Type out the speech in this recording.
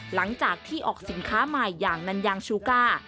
หลังจากที่ออกสินค้าใหม่อย่างนันยางชูก้า